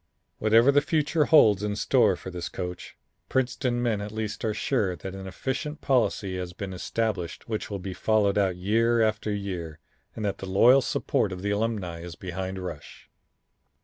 Whatever the future holds in store for this coach, Princeton men at least are sure that an efficient policy has been established which will be followed out year after year, and that the loyal support of the Alumni is behind Rush.